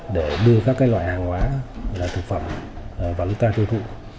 để đưa các loại hàng hóa thực phẩm vào nước ta tiêu thụ